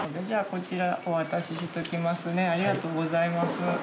こちら、お渡ししておきますね、ありがとうございます。